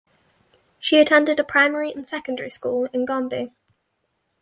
She attended primary and secondary school in Gombe.